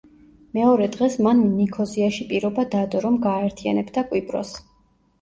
მეორე დღეს მან ნიქოზიაში პირობა დადო, რომ გააერთიანებდა კვიპროსს.